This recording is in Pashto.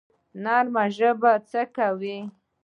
نرمه ژبه څه کوي؟